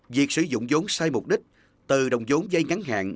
việc sử dụng giống sai mục đích từ đồng giống dây ngắn hạn